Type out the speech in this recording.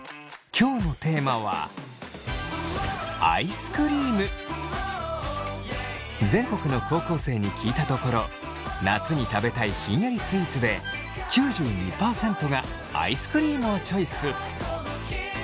今日のテーマは全国の高校生に聞いたところ夏に食べたいひんやりスイーツで９２％がアイスクリームをチョイス。